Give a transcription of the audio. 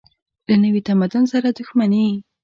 له نوي تمدن سره دښمني.